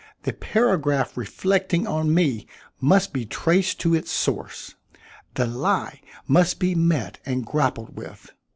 The paragraph reflecting on me must be traced to its source. The lie must be met and grappled with.